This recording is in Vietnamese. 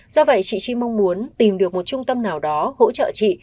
do vậy chị chi mong muốn tìm được một trung tâm nào đó hỗ trợ chị